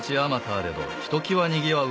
あれどひときわにぎわう